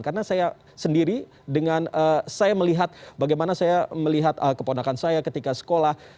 karena saya sendiri dengan saya melihat bagaimana saya melihat keponakan saya ketika sekolah